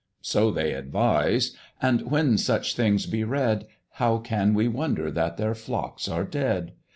So they advise, and when such things be read, How can we wonder that their flocks are dead?